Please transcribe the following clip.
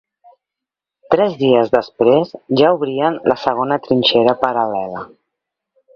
Tres dies després ja obrien la segona trinxera paral·lela.